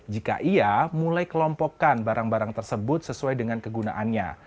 jika ia mulai kelompokkan barang barang tersebut sesuai dengan kegunaannya